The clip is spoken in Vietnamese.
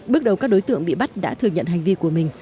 bước đầu các đối tượng bị bắt đã thừa nhận hành vi của mình